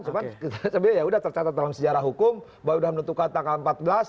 cuma kita cuman yaudah tercatat dalam sejarah hukum bahwa udah menentukan tanggal empat belas